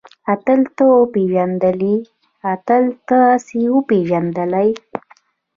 اتل تۀ وپېژندلې؟ اتل تاسې وپېژندلئ؟